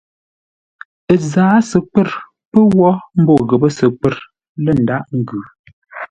Ə́ zǎa səkwə̂r pə̂ wó mbó ghəpə́ səkwə̂r lə̂ ndághʼ ngʉ̌.